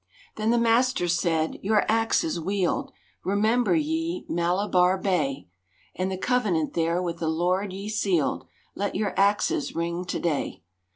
Then the master said, "Your axes wield, Remember ye Malabarre Bay; And the covenant there with the Lord ye sealed; Let your axes ring to day.